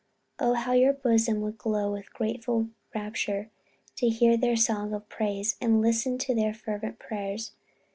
Oh, how your bosom would glow with grateful rapture to hear their songs of praise, and listen to their fervent prayers.